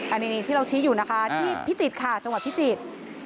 อันนี้ที่เราชี้อยู่นะคะที่พิจิตรค่ะจังหวัดพิจิตร